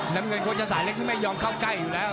น้ำเงินโฆษสายเล็กนี่ไม่ยอมเข้าใกล้อยู่แล้ว